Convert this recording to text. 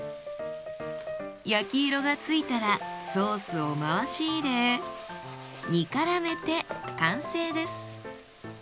焼き色が付いたらソースを回し入れ煮からめて完成です。